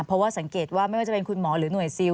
เพราะว่าสังเกตว่าไม่ว่าจะเป็นคุณหมอหรือหน่วยซิล